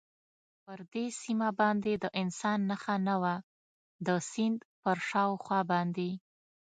پر دې سیمه باندې د انسان نښه نه وه، د سیند پر شاوخوا باندې.